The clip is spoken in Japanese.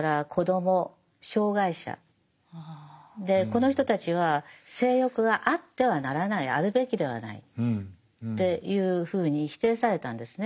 でこの人たちは性欲があってはならないあるべきではないっていうふうに否定されたんですね。